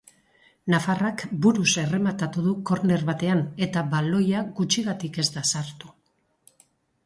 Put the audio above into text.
Nafarrak buruz errematatu du korner batean, eta baloia gutxigatik ez da sartu.